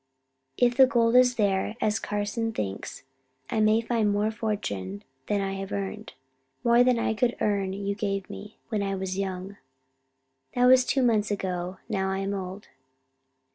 If the gold is there, as Carson thinks, I may find more fortune than I have earned. More than I could earn you gave me when I was young. That was two months ago. Now I am old.